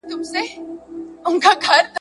څوک د نجونو د زده کړو حق تر پښو لاندي کوي؟